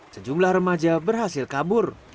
sejumlah remaja berhasil kabur